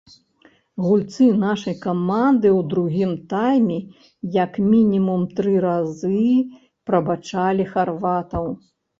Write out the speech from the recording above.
Гульцы нашай каманды ў другім тайме як мінімум тры разы прабачалі харватаў.